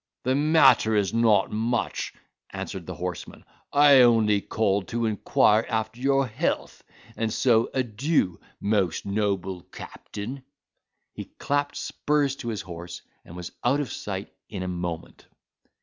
"The matter is not much," answered the horseman; "I only called in to inquire after your health, and so adieu, most noble captain." He clapped spurs to his horse, and was out of sight in a moment.